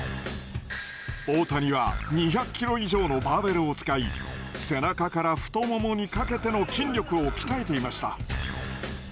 大谷は２００キロ以上のバーベルを使い背中から太ももにかけての筋力を鍛えていました。